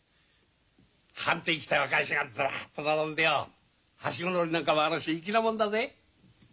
はんてん着た若い衆がずらっと並んでよはしご乗りなんかもあるし粋なもんだぜ。